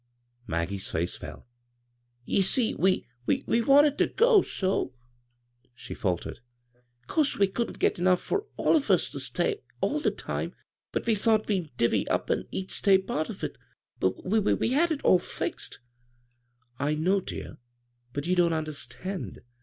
Maggie's face fell. " Ye see, we — we wanted ter go so," she faltered. "'Course we couldn't get enough for all of us ter stay all the time, but we thought we'd divvy up an' each stay part of it. We — we had it all fixed." " I know, dear, but you don't understand.